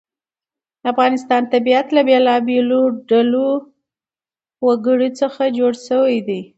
د افغانستان طبیعت له بېلابېلو ډولو وګړي څخه جوړ شوی دی.